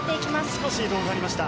少し移動がありました。